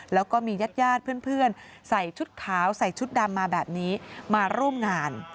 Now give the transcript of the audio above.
แล้วก็มีญาติญาติเพื่อนใส่ชุดขาวใส่ชุดดำมาแบบนี้มาร่วมงาน